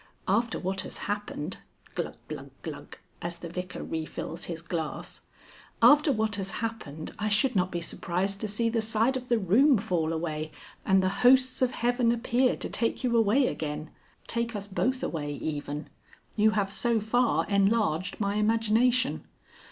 After what has happened (Gluck, gluck, gluck as the Vicar refills his glass) after what has happened I should not be surprised to see the side of the room fall away, and the hosts of heaven appear to take you away again take us both away even. You have so far enlarged my imagination.